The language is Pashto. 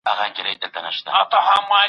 صلاحیت او مسئولیت باید یو شان و کارول سي